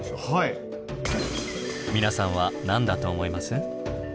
皆さんは何だと思います？